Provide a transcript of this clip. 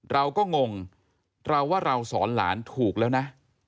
เราก็งงเราว่าเราสอนหลานถูกแล้วนะ